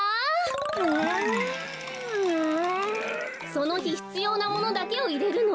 そのひひつようなものだけをいれるの。